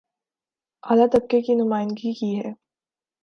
اعلی طبقے کی نمائندگی کی ہے